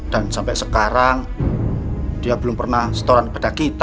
sampai sekarang dia belum pernah setoran kepada kita